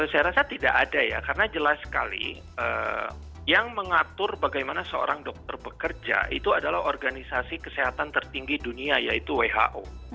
saya rasa tidak ada ya karena jelas sekali yang mengatur bagaimana seorang dokter bekerja itu adalah organisasi kesehatan tertinggi dunia yaitu who